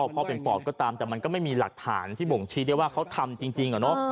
พ่อเป็นปอดก็ตามแต่มันก็ไม่มีหลักฐานที่บ่งชี้ได้ว่าเขาทำจริง